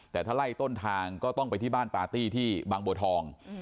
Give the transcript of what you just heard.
แต่ถ้าไล่ต้นทางก็ต้องไปที่บ้านปาร์ตี้ที่บางบัวทอง